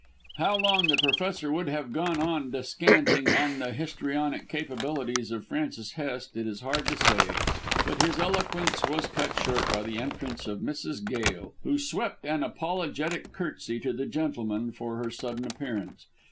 How long the Professor would have gone on descanting on the histrionic capabilities of Frances Hest it is hard to say, but his eloquence was cut short by the entrance of Mrs. Gail, who swept an apologetic curtsey to the gentlemen for her sudden appearance.